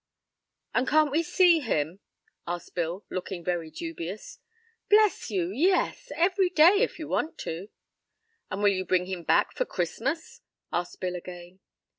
"And can't we see him?" asked Bill, looking very dubious. "Bless you, yes, every day, if you want to." "And will you bring him back for Christmas?" asked Bill again.